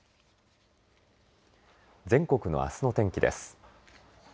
全国のあすの天気です。